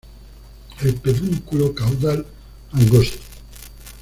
El pedúnculo caudal angosto.